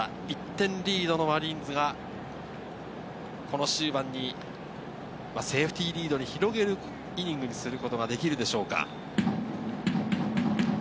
１点リードのマリーンズ、終盤にセーフティーリードに広げるイニングにすることができるでしょうか？